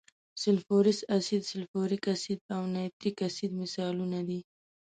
سلفورس اسید، سلفوریک اسید او نایتریک اسید مثالونه دي.